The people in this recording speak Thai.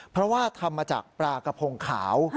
เพราะว่าทำมาจากปลากระพงขาว